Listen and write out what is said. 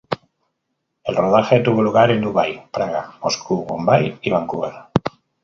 El rodaje tuvo lugar en Dubái, Praga, Moscú, Bombay y Vancouver.